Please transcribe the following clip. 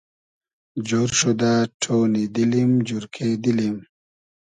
جۉر شودۂ ݖۉنی دیلیم جورکې دیلیم